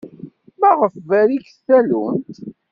Maɣef berriket tallunt?